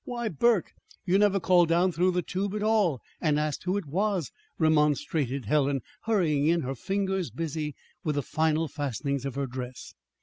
"Why, Burke, you never called down through the tube at all, and asked who it was," remonstrated Helen, hurrying in, her fingers busy with the final fastenings of her dress.